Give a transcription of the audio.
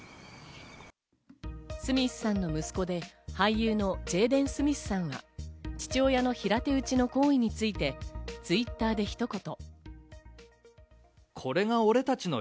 スミスさんの息子で俳優のジェイデン・スミスさんは、父親の平手打ちの行為についてＴｗｉｔｔｅｒでひと言。